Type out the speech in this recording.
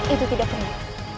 itu tidak penuh